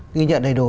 ghi nhận đầy đủ